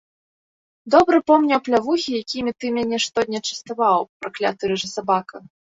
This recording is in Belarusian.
Добра помню аплявухі, якімі ты мяне штодня частаваў, пракляты рыжы сабака!